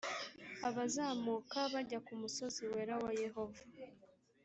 Abazamuka bajya ku musozi wera wa yehova